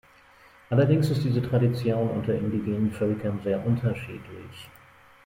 Allerdings ist diese Tradition unter indigenen Völkern sehr unterschiedlich.